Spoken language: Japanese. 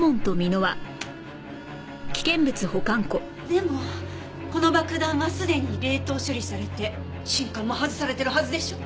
でもこの爆弾はすでに冷凍処理されて信管も外されてるはずでしょ。